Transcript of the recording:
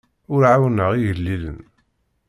Ur ɛawneɣ igellilen.